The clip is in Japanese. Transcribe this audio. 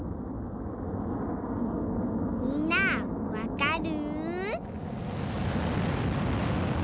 みんなわかる？